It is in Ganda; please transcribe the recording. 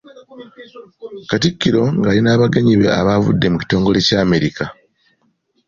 Katikkiro nga ali n’abagenyi abaavudde mu kitongole ky'Amerika.